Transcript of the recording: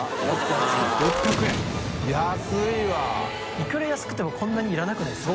いくら安くてもこんなにいらなくないですか？